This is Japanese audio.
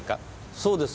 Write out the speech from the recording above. そうです。